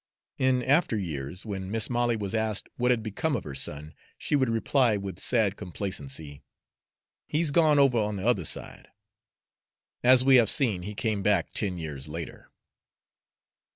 In after years, when Mis' Molly was asked what had become of her son, she would reply with sad complacency, "He's gone over on the other side." As we have seen, he came back ten years later.